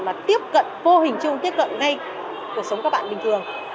mà tiếp cận vô hình chung tiếp cận ngay cuộc sống các bạn bình thường